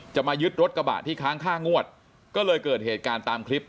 จะมายึดรถกระบะที่ค้างค่างวดก็เลยเกิดเหตุการณ์ตามคลิป